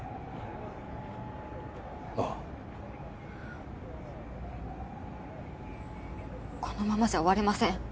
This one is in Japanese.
ああこのままじゃ終われません